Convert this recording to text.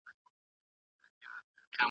که موسم وي نو طبیعت نه مري.